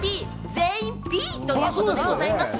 全員、Ｂということでございますね。